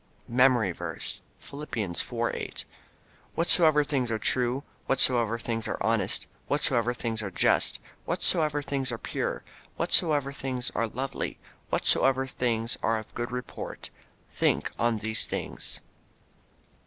MEMORY VERSE, Philippians 4: 8 "Whatsoever things are true, whatsoever things are honest, whatsoever things are just, whatsoever things are pure, whatsoever things are lovely, whatsoever things are of good report ... think on these things."